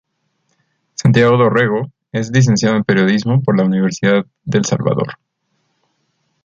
Santiago do Rego es Licenciado en Periodismo por la Universidad del Salvador.